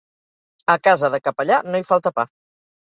A casa de capellà no hi falta pa.